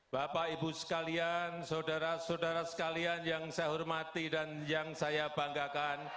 bapak ibu sekalian saudara saudara sekalian yang saya hormati dan yang saya banggakan